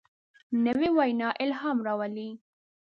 نوې وینا الهام راولي